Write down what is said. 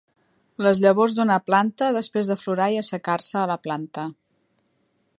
Les llavors d'una planta després d'aflorar i assecar-se a la planta.